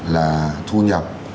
là thu nhập